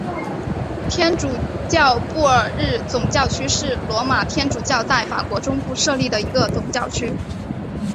天主教布尔日总教区是罗马天主教在法国中部设立的一个总教区。